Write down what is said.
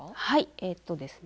えっとですね